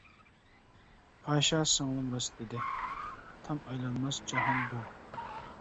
پاشا سىڭلىم راست دېدى، -تام ئايلانماس جاھان بو.